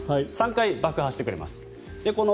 ３回、爆破してくれます。